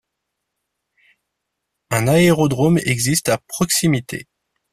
Un aérodrome existe à proximité.